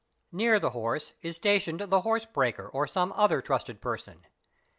Near the horse is stationed the horse breaker or some other trusted person.